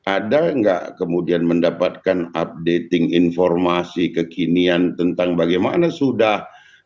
ada nggak kemudian mendapatkan updating informasi kekinian tentang bagaimana sudah